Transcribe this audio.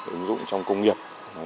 ứng dụng trong công nghiệp